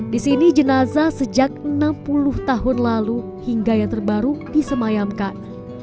di sini jenazah sejak enam puluh tahun lalu hingga yang terbaru disemayamkan